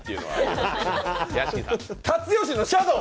辰吉のシャドー。